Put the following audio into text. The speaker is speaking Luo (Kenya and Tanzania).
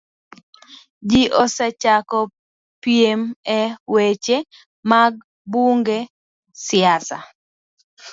Ji osechako piem e weche mag bunge, siasa,